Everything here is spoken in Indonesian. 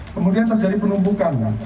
kemudian terjadi penumpukan